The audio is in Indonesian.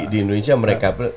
di indonesia mereka